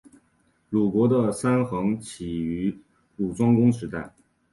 鲁国的三桓起于鲁庄公时代。